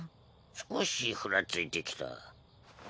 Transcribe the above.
少しふらついてきた。